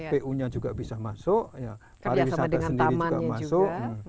pu nya juga bisa masuk pariwisata sendiri juga masuk